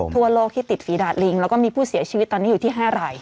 ทั่วโลกที่ติดฝีดาดลิงแล้วก็มีผู้เสียชีวิตตอนนี้อยู่ที่๕ราย